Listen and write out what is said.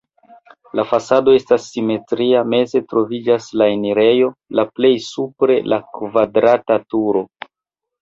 La fasado estas simetria, meze troviĝas la enirejo, la plej supre la kvadrata turo.